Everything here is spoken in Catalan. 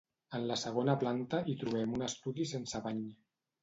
En la segona planta hi trobem un estudi sense bany.